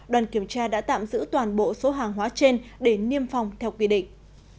đoàn kiểm tra đã tạm giữ toàn bộ số hàng hóa trên để niêm phòng theo quy định